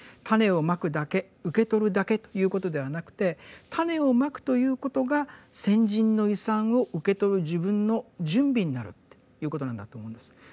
種を蒔くだけ受け取るだけということではなくて種を蒔くということが先人の遺産を受け取る自分の準備になるっていうことなんだと思うんです。